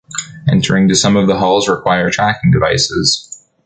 Entering to some of the halls requires tracking devices.